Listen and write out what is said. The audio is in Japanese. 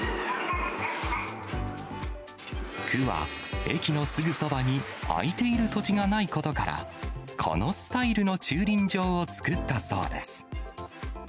区は、駅のすぐそばに空いている土地がないことから、このスタイルの駐輪場を作ったそうです。